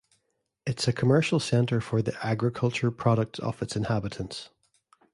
It's a commercial center for the agriculture products of its inhabitants.